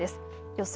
予想